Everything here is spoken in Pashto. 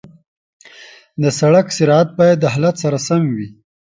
د سړک سرعت باید د حالت سره سم وي.